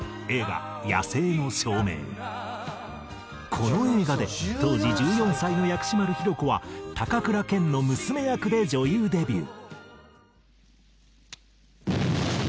この映画で当時１４歳の薬師丸ひろ子は高倉健の娘役で女優デビュー。